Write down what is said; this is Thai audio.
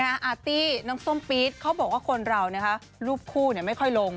อาร์ตี้น้องส้มปี๊ดเขาบอกว่าคนเรารูปคู่ไม่ค่อยลง